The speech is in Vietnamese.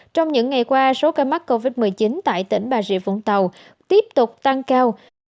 trong những ngày qua số ca mắc covid một mươi chín tại tỉnh bà rịa vũng tàu tiếp tục tăng cao